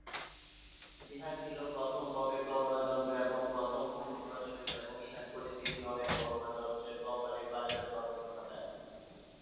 ইহা ছিল প্রথম পকেট গণনা যন্ত্র, এবং প্রথম বহুল প্রচলিত এবং ইহার পরিচিতি অনেক গণনা যন্ত্রের কোম্পানির বাজারে প্রবেশ ঘটায়।